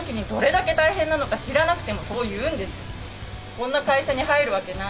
こんな会社に入るわけない。